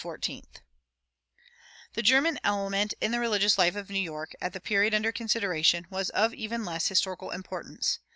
[139:2] The German element in the religious life of New York, at the period under consideration, was of even less historical importance.